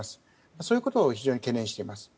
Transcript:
そういうことを非常に懸念しています。